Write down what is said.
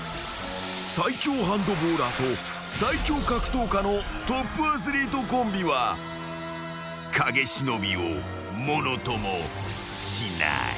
［最強ハンドボーラーと最強格闘家のトップアスリートコンビは影忍を物ともしない］